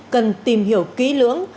cần tìm hiểu ký lưỡng